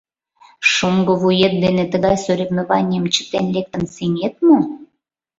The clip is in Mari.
Шоҥго вует дене тыгай соревнованийым чытен лектын сеҥет мо?